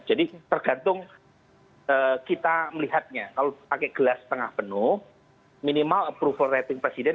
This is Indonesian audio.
jadi tergantung kita melihatnya kalau pakai gelas tengah penuh minimal approval rating presiden